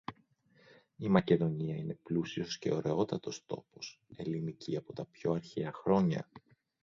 Η Μακεδονία είναι πλούσιος και ωραιότατος τόπος, ελληνική από τα πιο αρχαία χρόνια